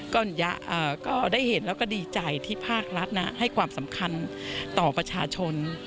ก็ได้เห็นแล้วก็ดีใจที่ภาครัฐให้ความสำคัญต่อประชาชน